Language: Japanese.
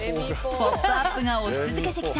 「ポップＵＰ！」が推し続けてきた